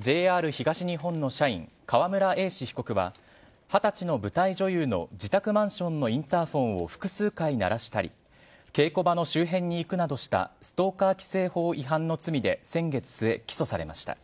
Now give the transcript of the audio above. ＪＲ東日本の社員、川村英士被告は、２０歳の舞台女優の自宅マンションのインターホンを複数回鳴らしたり、稽古場の周辺に行くなどしたストーカー規制法違反の罪で先月末、起訴されました。